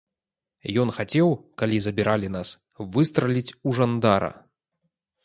Ён хацеў, калі забіралі нас, выстраліць у жандара.